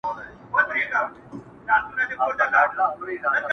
په څپلیو کي یې پښې یخی کيدلې,